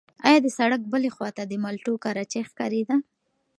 ایا د سړک بلې خوا ته د مالټو کراچۍ ښکارېده؟